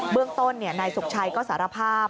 เรื่องต้นนายสุขชัยก็สารภาพ